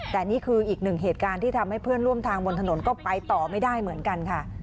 แต่นี่คืออีกหนึ่งเหตุการณ์ที่ทำให้เพื่อนร่วมทางบนถนนก็ไปต่อไม่ได้เหมือนกันค่ะ